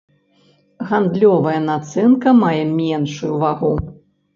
Гандлёвая нацэнка мае меншую вагу.